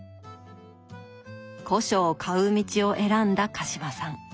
古書を買う道を選んだ鹿島さん